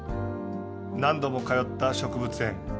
何度も通った植物園。